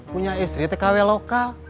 punya istri tkw lokal